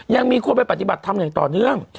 ยังมีคนไปปฏิบัติธรรมอย่างต่อเนื่อง